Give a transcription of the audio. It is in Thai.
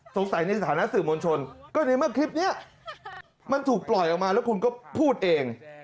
ในสถานะสื่อมวลชนก็ในเมื่อคลิปนี้มันถูกปล่อยออกมาแล้วคุณก็พูดเอง